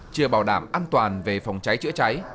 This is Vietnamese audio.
chưa bảo đảm an toàn về phòng cháy chữa cháy